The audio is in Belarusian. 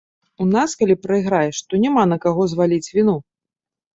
У нас калі прайграеш, то няма на каго зваліць віну.